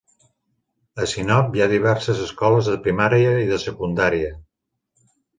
A Sinop hi ha diverses escoles de primària i de secundària.